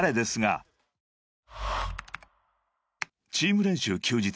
［チーム練習休日